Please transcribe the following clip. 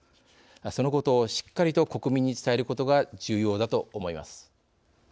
そのことをしっかりと国民に伝えることが重要だと思います。